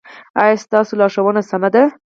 ایا ستاسو لارښوونه سمه ده؟